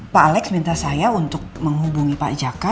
pak alex minta saya untuk menghubungi pak jaka